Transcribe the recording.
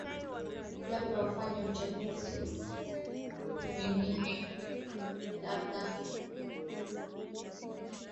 labda wafanye uchaguzi mwingine labda mazungumzo hata kabla ya hapo